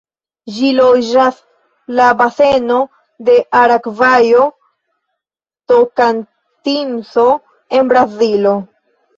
Ĝi loĝas la baseno de Aragvajo-Tokantinso en Brazilo.